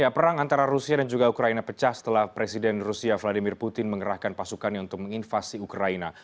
perang antara rusia dan juga ukraina pecah setelah presiden rusia vladimir putin mengerahkan pasukannya untuk menginvasi ukraina